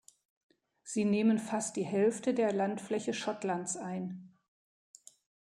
Sie nehmen fast die Hälfte der Landfläche Schottlands ein.